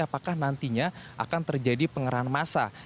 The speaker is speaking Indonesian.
apakah nantinya akan terjadi pengeran masa